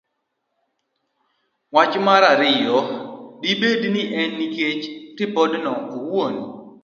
Wach mar Ariyo. Dibed ni en nikech ripodno owuon?